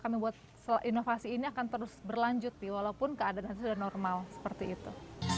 kami buat inovasi ini akan terus berlanjut walaupun keadaannya sudah normal seperti itu